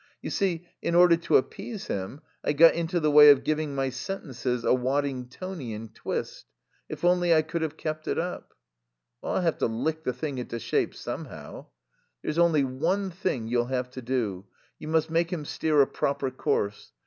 You see, in order to appease him, I got into the way of giving my sentences a Waddingtonian twist. If only I could have kept it up " "I'll have to lick the thing into shape somehow." "There's only one thing you'll have to do. You must make him steer a proper course.